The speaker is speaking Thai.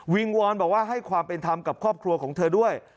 วอนบอกว่าให้ความเป็นธรรมกับครอบครัวของเธอด้วย